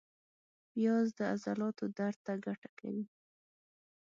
پیاز د عضلاتو درد ته ګټه کوي